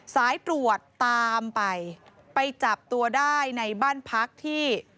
สายตรวจตามไปไปจับตัวได้ในบ้านพักที่